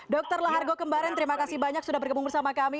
dr lahargo kembarin terima kasih banyak sudah bergabung bersama kami